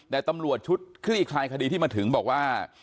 แต่ตำรวจชุดคลี่คลายคดีที่มาถึงบอกว่า